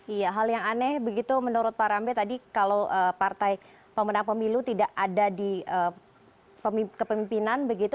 iya hal yang aneh begitu menurut pak rambe tadi kalau partai pemenang pemilu tidak ada di kepemimpinan begitu